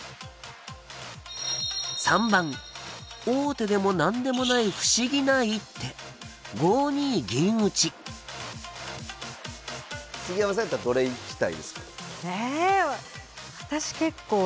３番王手でも何でもない不思議な一手５二銀打杉山さんやったらどれ行きたいですか？